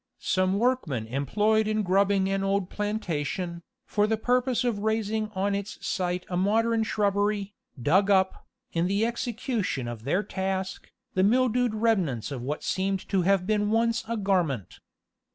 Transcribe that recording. Some workmen employed in grubbing an old plantation, for the purpose of raising on its site a modern shrubbery, dug up, in the execution of their task, the mildewed remnants of what seemed to have been once a garment.